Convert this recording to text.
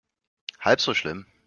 Halb so schlimm.